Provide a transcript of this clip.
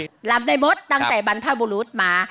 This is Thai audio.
รับได้หมดตั้งแต่บรรพบุรุษมา